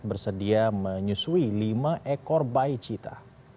bersedia menyusui lima ekor bayi cita